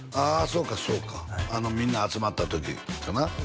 そうかそうかみんな集まった時かな？